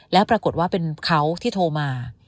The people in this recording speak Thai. แล้วปรากฏว่าเป็นเขาที่โทรมา